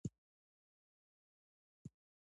ناروغان د درملنې لپاره هلته ځي.